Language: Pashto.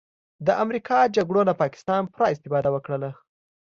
د امریکا جګړو نه پاکستان پوره استفاده وکړله